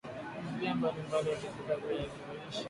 njia mbalimbali ya kupika viazi lishe